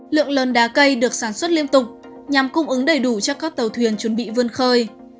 lượng lớn đá cây được sản xuất liên tục nhằm cung ứng đầy đủ cho các tàu thuyền chuẩn bị vươn khơi